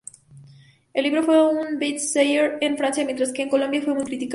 El libro fue un "bestseller" en Francia mientras que en Colombia fue muy criticado.